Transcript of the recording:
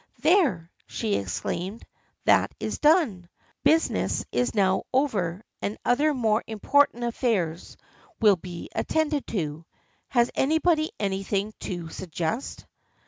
" There !" she exclaimed. " That is done. Busi ness is now over and other more important affairs will be attended to. Has anybody anything to suggest?